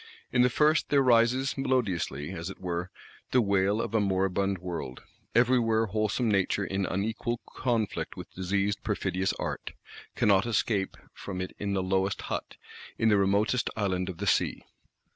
In the first there rises melodiously, as it were, the wail of a moribund world: everywhere wholesome Nature in unequal conflict with diseased perfidious Art; cannot escape from it in the lowest hut, in the remotest island of the sea.